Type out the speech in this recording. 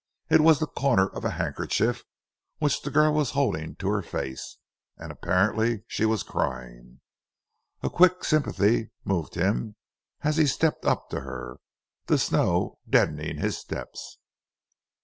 It was the corner of a handkerchief which the girl was holding to her face, and apparently she was crying. A quick sympathy moved him as he stepped up to her, the snow deadening his steps.